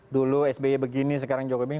dulu sby begini sekarang jokowi bingung